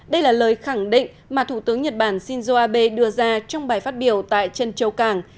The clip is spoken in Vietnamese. đây là lời khẳng định mà thủ tướng nhật bản shinzo abe đưa ra trong bài phát biểu tại chân châu càng